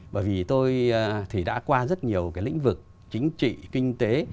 bởi vì tôi thì đã qua rất nhiều cái lĩnh vực chính trị kinh tế